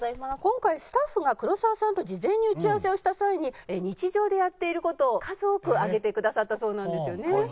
今回スタッフが黒沢さんと事前に打ち合わせをした際に日常でやっている事を数多く挙げてくださったそうなんですよね？